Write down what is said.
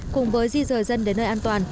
cùng với di rời dân đến nơi an toàn